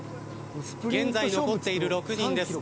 現在残っている６人です。